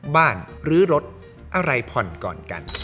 หรือรถอะไรผ่อนก่อนกัน